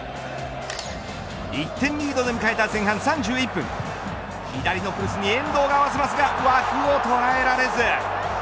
１点リードで迎えた前半３１分左のクロスに遠藤が合わせますが枠を捉えられず。